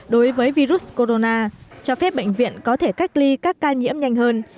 đối với virus corona cho phép bệnh viện có thể cách ly các ca nhiễm nhanh hơn